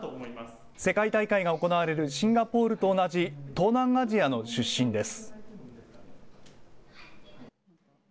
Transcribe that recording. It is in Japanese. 世界大会が行われるシンガポールと同じ東南アジアの出身です。